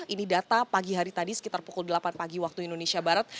ini data pagi hari tadi sekitar pukul delapan pagi waktu indonesia barat